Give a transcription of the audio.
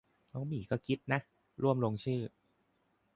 น้องหมีก็คิดนะ ร่วมลงชื่อที่